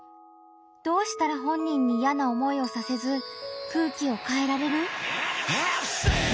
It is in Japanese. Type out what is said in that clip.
どうしたら本人にいやな思いをさせず空気を変えられる？